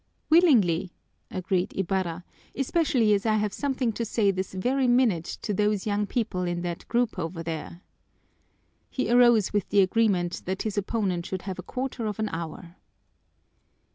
"Willingly," agreed Ibarra, "especially as I have something to say this very minute to those young people in that group over there." He arose with the agreement that his opponent should have a quarter of an hour.